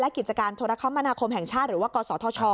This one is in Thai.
กิจการโทรคมนาคมแห่งชาติหรือว่ากศธช